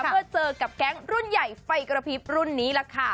เพื่อเจอกับแก๊งรุ่นใหญ่ไฟกระพริบรุ่นนี้ล่ะค่ะ